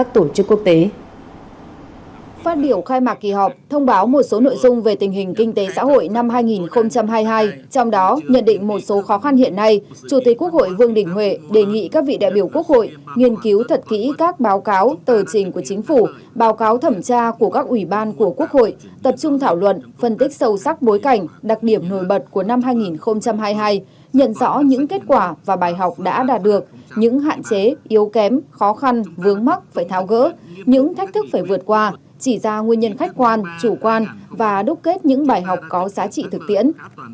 trong đó nhận định một số khó khăn hiện nay chủ tịch quốc hội vương đình huệ đề nghị các vị đại biểu quốc hội nghiên cứu thật kỹ các báo cáo tờ trình của chính phủ báo cáo thẩm tra của các ủy ban của quốc hội tập trung thảo luận phân tích sâu sắc bối cảnh đặc điểm nổi bật của năm hai nghìn hai mươi hai nhận rõ những kết quả và bài học đã đạt được những hạn chế yếu kém khó khăn vướng mắc phải tháo gỡ những thách thức phải vượt qua chỉ ra nguyên nhân khách quan chủ quan và đúc kết những bài học có giá trị thực tiễn